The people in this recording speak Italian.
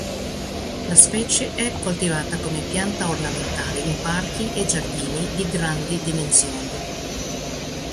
La specie è coltivata come pianta ornamentale in parchi e giardini di grandi dimensioni.